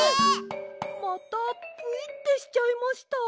またプイってしちゃいました。